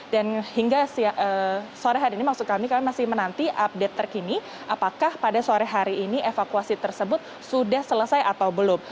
dan hingga sore hari ini maksud kami kami masih menanti update terkini apakah pada sore hari ini evakuasi tersebut sudah selesai atau belum